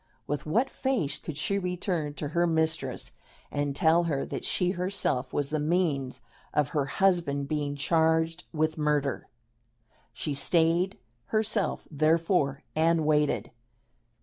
With what face could she return to her mistress and tell her that she herself was the means of her husband being charged with murder? She stayed herself, therefore, and waited.